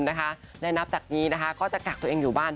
ได้นับจากนี้ก็จะกักตัวเองอยู่บ้าน